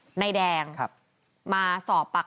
เข้าไปในบ้านส่งเสียงโวยวายจนเด็กร้องไห้จ้าเลยอะ